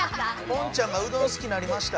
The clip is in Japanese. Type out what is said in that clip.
ポンちゃんがうどんすきになりました。